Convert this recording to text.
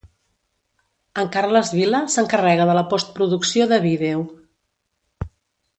En Carles Vila s'encarrega de la post producció de vídeo.